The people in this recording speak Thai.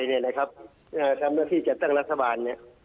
ทำหน้าที่จะตั้งรัฐบาล